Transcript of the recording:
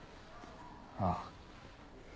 ああ。